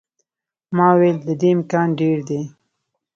ما وویل، د دې امکان ډېر دی.